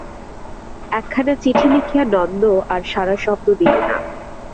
একখানা চিঠি লিখিয়া নন্দ আর সাড়াশব্দ দিল না।